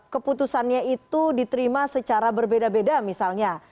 keputusannya itu diterima secara berbeda beda misalnya